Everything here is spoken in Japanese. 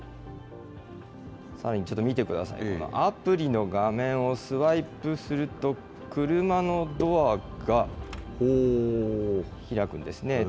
さらにちょっと見てください、このアプリの画面をスワイプすると、車のドアが開くんですね。